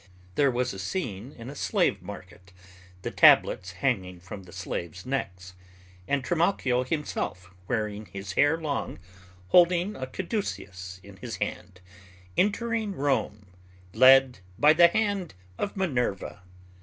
There was a scene in a slave market, the tablets hanging from the slaves' necks, and Trimalchio himself, wearing his hair long, holding a caduceus in his hand, entering Rome, led by the hand of Minerva.